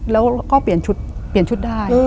แล้วก็เปลี่ยนชุดเปลี่ยนชุดได้